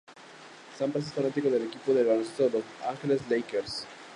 Sampras es fanático del equipo de baloncesto Los Angeles Lakers.